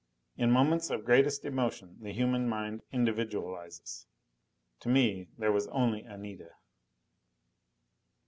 In moments of greatest emotion the human mind individualizes. To me, there was only Anita.